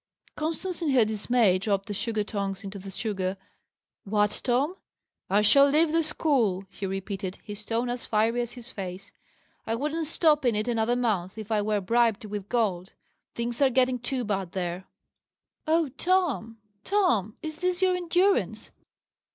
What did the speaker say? Constance, in her dismay, dropped the sugar tongs into the sugar. "What, Tom?" "I shall leave the school!" he repeated, his tone as fiery as his face. "I wouldn't stop in it another month, if I were bribed with gold. Things are getting too bad there." "Oh, Tom, Tom! Is this your endurance?"